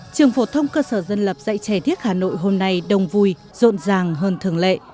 trường phổ thông cơ sở dân lập dạy trẻ thiết hà nội hôm nay đông vui rộn ràng hơn thường lệ